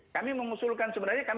kami mengusulkan sebenarnya